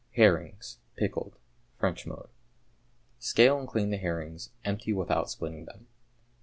=Herrings, Pickled= (French mode). Scale and clean the herrings, empty without splitting them.